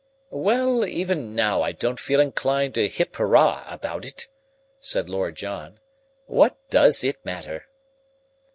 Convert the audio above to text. "Well, even now I don't feel inclined to hip hurrah about it," said Lord John. "What does it matter?"